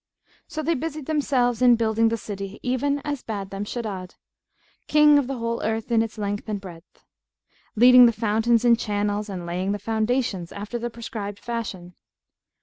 So they busied themselves in building the city even as bade them Shaddad, King of the whole earth in its length and breadth; leading the fountains in channels and laying the foundations after the prescribed fashion.